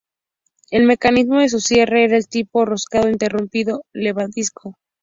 El mecanismo de su cierre era del tipo roscado interrumpido levadizo.